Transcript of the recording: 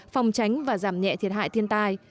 phòng tránh và giảm nhẹ thiệt hại thiên tai